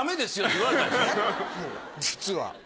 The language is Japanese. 実は。